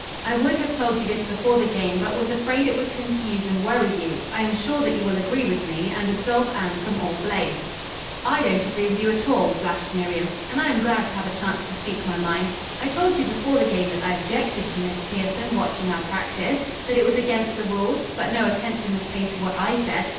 "I would have told you this before the game, but was afraid it would confuse and worry you. I am sure that you will agree with me, and absolve Anne from all blame." "I don't agree with you at all," flashed Miriam, "and I am glad to have a chance to speak my mind. I told you before the game that I objected to Miss Pierson watching our practice, that it was against the rules, but no attention was paid to what I said.